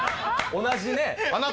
同じねえ。